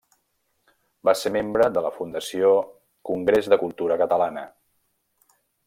Va ser membre de la Fundació Congrés de Cultura Catalana.